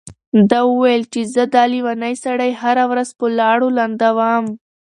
ده وويل چې زه دا لېونی سړی هره ورځ په لاړو لندوم.